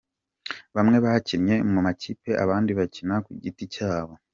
Bamwe bakinnye mu makipe abandi bakina ku giti cyabo.